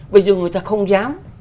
bây giờ người ta không dám